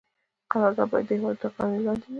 قرارداد باید د هیواد تر قوانینو لاندې وي.